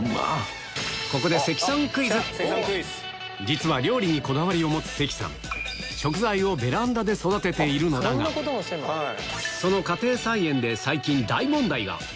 ここで実は料理にこだわりを持つ関さん食材をベランダで育てているのだがはい！